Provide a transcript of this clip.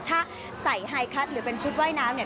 ถ้าใส่ไฮคัทหรือเป็นชุดว่ายน้ำเนี่ย